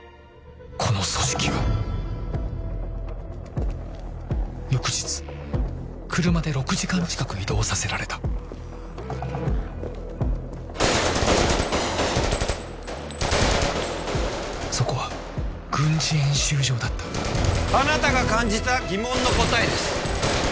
この組織は翌日車で６時間近く移動させられたそこは軍事演習場だったあなたが感じた疑問の答えです